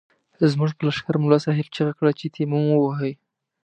زموږ په لښکر ملا صاحب چيغه کړه چې تيمم ووهئ.